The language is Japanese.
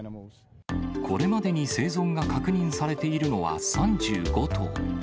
これまでに生存が確認されているのは３５頭。